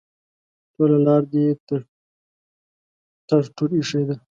ټوله لار دې ټر ټور ایښی ده.